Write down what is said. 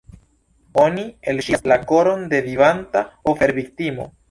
Oni elŝiras la koron de vivanta oferviktimo.